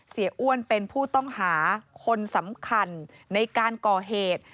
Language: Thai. อ้วนเป็นผู้ต้องหาคนสำคัญในการก่อเหตุ